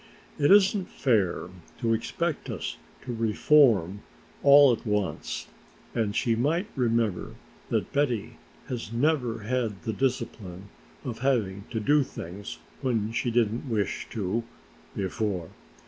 "It isn't fair to expect us to reform all at once and she might remember that Betty has never had the discipline of having to do things when she didn't wish to before.